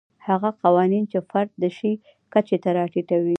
هغه قوانین چې فرد د شي کچې ته راټیټوي.